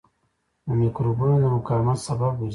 د مکروبونو د مقاومت سبب ګرځي.